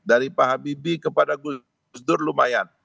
dari pak habibie kepada gus dur lumayan